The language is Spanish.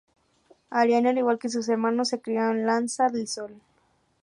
Arianne, al igual que sus hermanos, se crio en Lanza del Sol.